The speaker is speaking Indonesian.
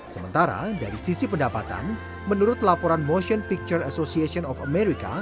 sementara dari sisi pendapatan menurut laporan motion picture association of america